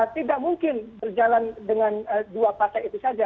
tidak mungkin berjalan dengan dua partai itu saja